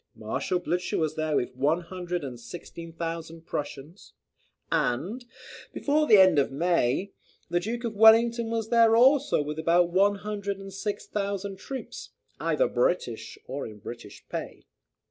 Marshal Blucher was there with one hundred and sixteen thousand Prussians; and, before the end of May, the Duke of Wellington was there also with about one hundred and six thousand troops, either British or in British pay.